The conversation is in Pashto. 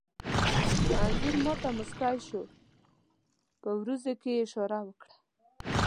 انځور ما ته موسکی شو، په وروځو کې یې اشاره وکړه.